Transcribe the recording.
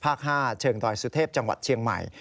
ภาค๕เชิงดอยสุเทพจังหวัดเชียงใหม่